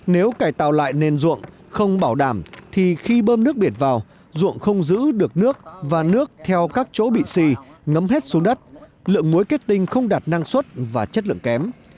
nếu cải tạo lại nền ruộng không bảo đảm thì khi bơm nước biển vào ruộng không giữ được nước và nước theo các chỗ bị xì ngấm hết xuống đất lượng muối kết tinh không đạt năng suất và chất lượng kém